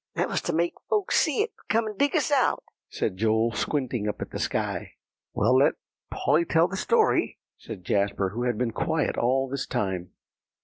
"That was to make folks see it, and come and dig us out," said Joel, squinting up at the sky. "Well, let Polly tell the story," said Jasper, who had been quiet all this time.